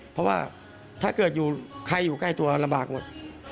เพราะว่าถ้าเกิดใครอยู่ใกล้ตัวลำบากหมด